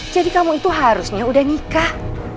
jadi kamu itu harusnya udah nikah